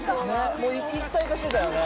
もう、一体化してたよね。